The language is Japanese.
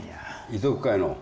遺族会の。